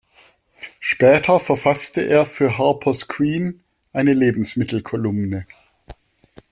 Später verfasste er für "Harper’s Queen" eine Lebensmittel-Kolumne.